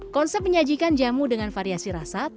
konsep menyajikan jamu dengan variasi rasa